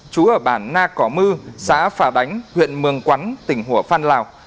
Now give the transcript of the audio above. chú ở bản na cỏ mư xã phà bánh huyện mường quắn tỉnh hủa phan lào